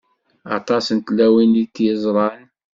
Aṭas n tlawin i t-yeẓṛan.